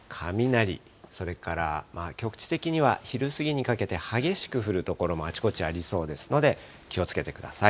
雷、それから局地的には昼過ぎにかけて激しく降る所がありそうですので気をつけてください。